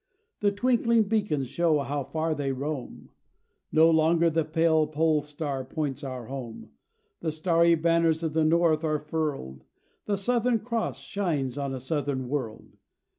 The twinkling beacons show how far they roam; No longer the pale pole star points our home; The starry banners of the North are furled, The Southern Cross shines on a Southern world.